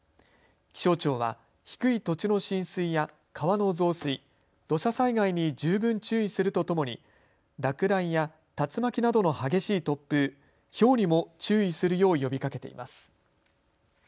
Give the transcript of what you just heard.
気象庁は低い土地の浸水や川の増水、土砂災害に十分注意するとともに落雷や竜巻などの激しい突風、ひょうにも注意するよう呼びかけています。